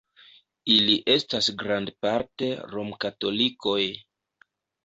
Ili estas grandparte rom-katolikoj.